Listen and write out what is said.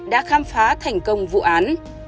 đã khám phá thành công vụ án